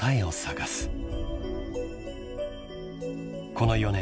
［この４年。